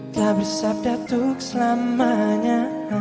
telah bersabda tuk selamanya